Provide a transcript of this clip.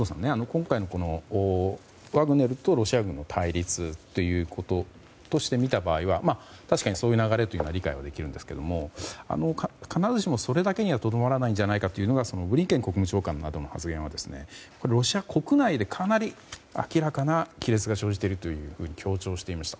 今回のワグネルとロシア軍の対立として見た場合には確かに、そういう流れは理解できるんですが必ずしもそれだけにはとどまらないというのがブリンケン国務長官の発言がロシア国内でかなり明らかな亀裂が生じていると強調していました。